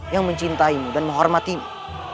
yang mencintaimu dan menghormatimu